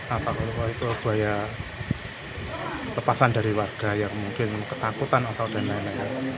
apakah itu buaya lepasan dari warga yang mungkin ketakutan atau dan lain lain